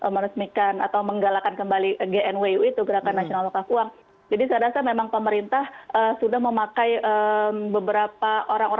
meresmikan atau menggalakkan kembali gnw itu gerakan nasional luka uang jadi saya rasa memang